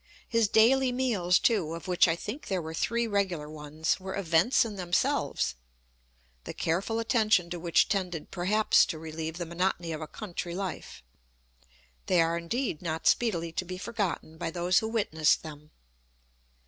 His daily meals, too, of which I think there were three regular ones, were events in themselves, the careful attention to which tended perhaps to relieve the monotony of a country life: they are indeed not speedily to be forgotten by those who witnessed them.